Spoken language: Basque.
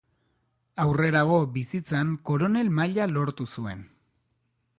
Aurrerago bizitzan Koronel maila lortu zuen.